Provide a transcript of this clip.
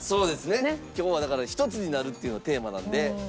今日はだからひとつになるっていうのがテーマなので。